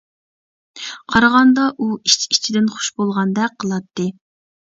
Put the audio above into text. قارىغاندا ئۇ ئىچ-ئىچىدىن خۇش بولغاندەك قىلاتتى.